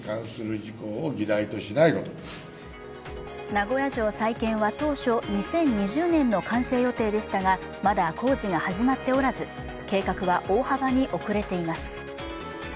名古屋城再建は当初、２０２０年の完成予定でしたがまだ工事が始まっておらず、計画は大幅に遅れています。